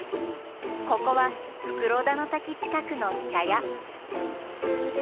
ここは袋田の滝近くの茶屋。